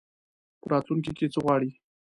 په راتلونکي کي څه غواړې ؟